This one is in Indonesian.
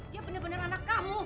dia benar benar anak kamu